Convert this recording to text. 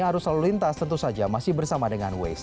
arus lalu lintas tentu saja masih bersama dengan waze